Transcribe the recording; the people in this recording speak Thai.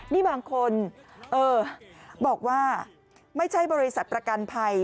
นี่บางคนบอกว่าไม่ใช่บริษัทประกันภัย